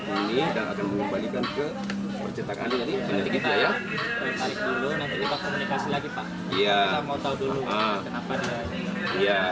ini sudah dikembalikan semua